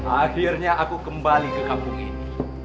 akhirnya aku kembali ke kampung ini